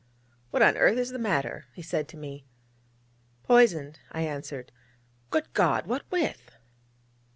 'What on earth is the matter?' he said to me. 'Poisoned,' I answered. 'Good God! what with?'